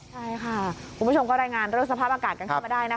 ใช่ค่ะคุณผู้ชมก็รายงานเรื่องสภาพอากาศกันเข้ามาได้นะคะ